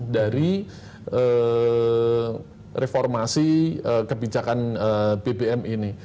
dari reformasi kebijakan bbm ini